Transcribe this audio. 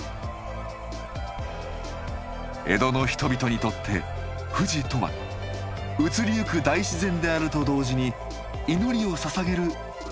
江戸の人々にとって富士とは移りゆく大自然であると同時に祈りをささげる信仰の山だったんですね。